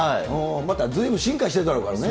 またずいぶん進化してるだろうからね。